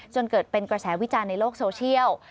จนเกิดเป็นกระแสวิจารณ์ในโลกโซเชียล